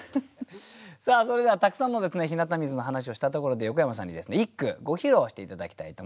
さあそれではたくさんの日向水の話をしたところで横山さんにですね一句ご披露して頂きたいと思います。